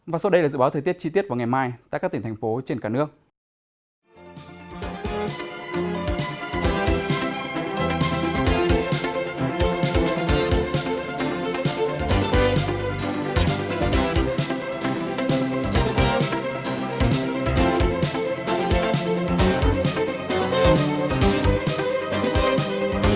và sau đây là dự báo thời tiết chi tiết vào ngày mai tại các tỉnh thành phố trên cả nước